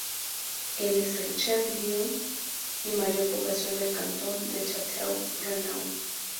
Es el "chef-lieu" y mayor población del cantón de Château-Renault.